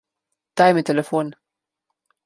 Daj mi telefon.